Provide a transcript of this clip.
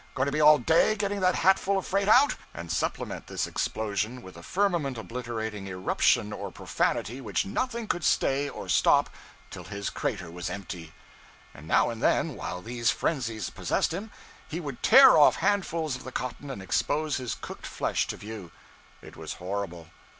going to be all day getting that hatful of freight out?' and supplement this explosion with a firmament obliterating irruption or profanity which nothing could stay or stop till his crater was empty. And now and then while these frenzies possessed him, he would tear off handfuls of the cotton and expose his cooked flesh to view. It was horrible.